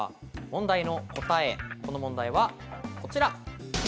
問題の答え、この問題はこちら。